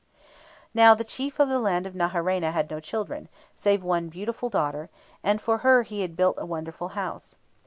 ] Now, the chief of the land of Naharaina had no children, save one beautiful daughter, and for her he had built a wonderful house.